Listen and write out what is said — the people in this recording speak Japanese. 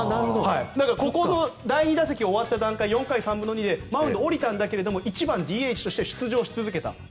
ここの第２打席終わった段階４回３分の２でマウンドを降りたんだけど１番ＤＨとして出場し続けた。